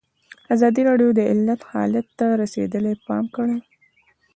ازادي راډیو د عدالت حالت ته رسېدلي پام کړی.